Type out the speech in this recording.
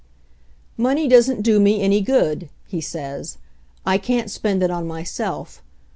"Money doesn't do me any good," he says. "I can't spend it on myself.